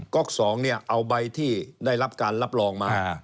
๊อก๒เนี่ยเอาใบที่ได้รับการรับรองมา